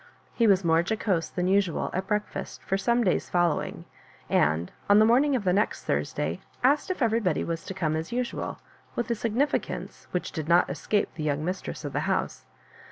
He was more jocose than usual at breakfast for some days following, and, on the morning of the next Thursday, asked if everybody was to come as usual, with a signi ficance which did not escape the young mistress of the house.